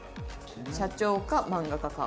社長か漫画家か。